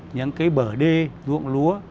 những bờ đê ruộng lúa